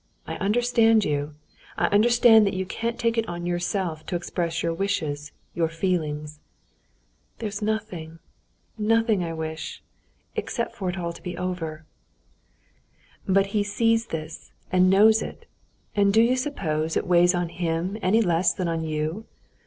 I understand you: I understand that you can't take it on yourself to express your wishes, your feelings." "There's nothing, nothing I wish ... except for it to be all over." "But he sees this and knows it. And do you suppose it weighs on him any less than on you?